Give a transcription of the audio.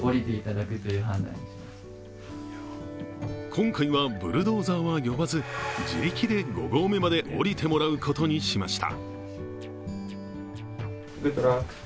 今回はブルドーザーは呼ばず自力で５合目まで降りてもらうことにしました。